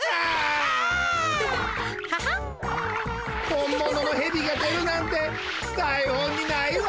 本もののヘビが出るなんてだい本にないわ！